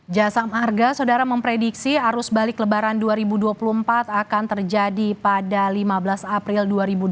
jasa marga saudara memprediksi arus balik lebaran dua ribu dua puluh empat akan terjadi pada lima belas april dua ribu dua puluh